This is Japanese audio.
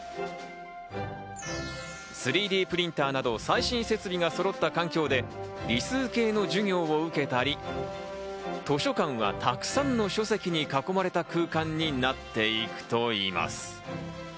３Ｄプリンターなど最新設備がそろった環境で理数系の授業を受けたり、図書館はたくさんの書籍に囲まれた空間になっていくといいます。